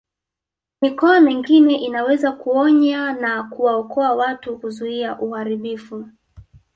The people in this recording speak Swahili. Mikoa mingine inaweza kuonya na kuwaokoa watu kuzuia uharibifu